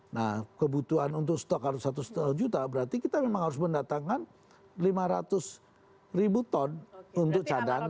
nah kebutuhan untuk stok harus satu lima juta berarti kita memang harus mendatangkan lima ratus ribu ton untuk cadangan